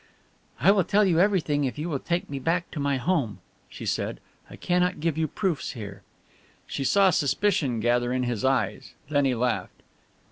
"I will tell you everything if you will take me back to my home," she said. "I cannot give you proofs here." She saw suspicion gather in his eyes. Then he laughed.